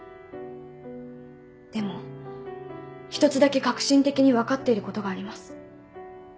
でも一つだけ確信的に分かっていることがあります。